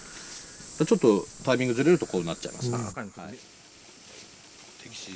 ちょっとタイミングずれるとこうなっちゃいますから。